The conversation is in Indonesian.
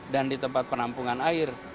dan di tempat penampungan air